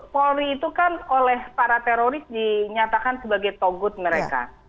polri itu kan oleh para teroris dinyatakan sebagai togut mereka